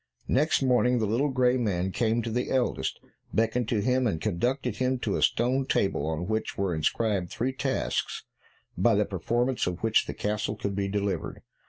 Next morning the little grey man came to the eldest, beckoned to him, and conducted him to a stone table, on which were inscribed three tasks, by the performance of which the castle could be delivered.